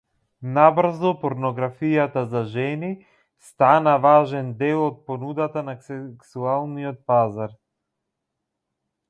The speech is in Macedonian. Набрзо порнографијата за жени стана важен дел од понудата на сексуалниот пазар.